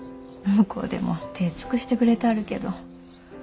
向こうでも手ぇ尽くしてくれたはるけど。